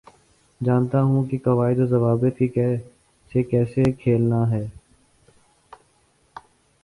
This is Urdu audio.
جانتا ہوں کے قوائد و ضوابط سے کیسے کھیلنا ہے